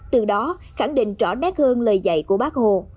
từ đó khẳng định rõ nét hơn lời dạy của bác hồ